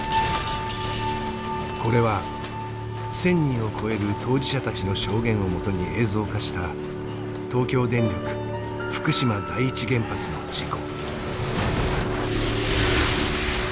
これは１，０００人を超える当事者たちの証言をもとに映像化した東京電力福島第一原発の事故。